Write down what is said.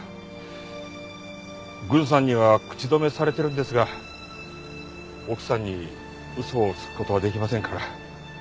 郡さんには口止めされてるんですが奥さんに嘘をつく事はできませんから。